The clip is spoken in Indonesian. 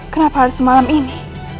kenapa harus malam ini